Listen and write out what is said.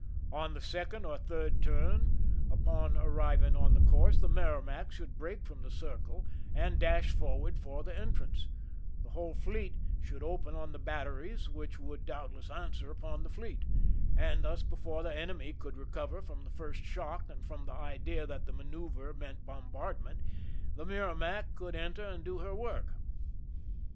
On the second or third turn, upon arriving on the course, the Merrimac should break from the circle and dasli forward for the entrance ; the whole fleet should open on the batteries, which would doubtless answer upon the fleet ; and thus before the enemy could recover from the first shock and from the idea that the manoeuver meant bombard ment, the Merrimac could enter and do her work.